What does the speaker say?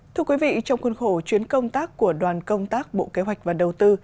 thưa quý vị trong khuôn khổ chuyến công tác của đoàn công tác bộ kế hoạch và đầu tư